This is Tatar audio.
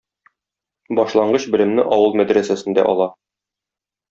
Башлангыч белемне авыл мәдрәсәсендә ала.